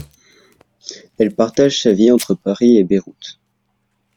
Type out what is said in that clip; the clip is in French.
Elle partage sa vie entre Paris et Beyrouth.